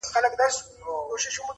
څوټپې نمکیني څو غزل خواږه خواږه لرم,